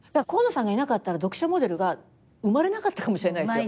河野さんがいなかったら読者モデルが生まれなかったかもしれない。